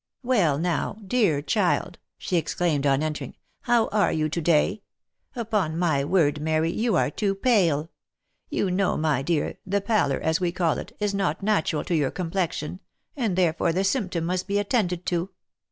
" Well now, dear child!" she exclaimed on entering; "how are you to day? Upon my word, Mary, you are too pale. You know my dear, the palor, as we call it, is not natural to your complexion, and therefore the symptom must be attended to.